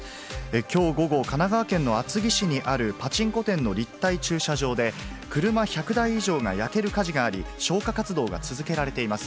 きょう午後、神奈川県の厚木市にあるパチンコ店の立体駐車場で、車１００台以上が焼ける火事があり、消火活動が続けられています。